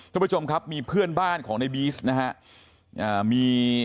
คุณผู้ชมครับมีเพื่อนบ้านของในบีซนะฮะ